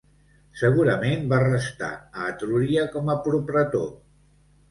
Segurament va restar a Etrúria com a propretor.